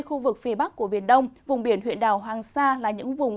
khu vực phía bắc của biển đông vùng biển huyện đảo hoàng sa là những vùng